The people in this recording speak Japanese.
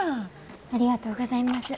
ありがとうございます。